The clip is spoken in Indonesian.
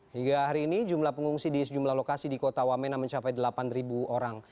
hingga hari ini jumlah pengungsi di sejumlah lokasi di kota wamena mencapai delapan orang